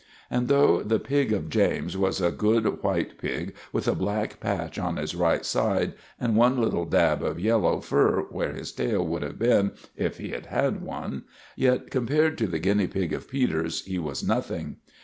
And though the pig of James was a good white pig, with a black patch on his right side and one little dab of yellow fur where his tail would have been if he had had one, yet, compared to the guinea pig of Peters, he was nothing.